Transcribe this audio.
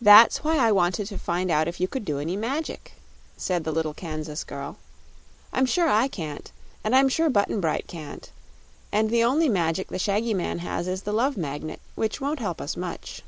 "That's why I wanted to find out if you could do any magic," said the little Kansas girl. "I'm sure I can't; and I'm sure Button Bright can't; and the only magic the shaggy man has is the Love Magnet, which won't help us much."